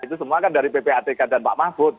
itu semua kan dari ppatk dan pak mahfud